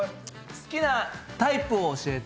好きなタイプを教えて。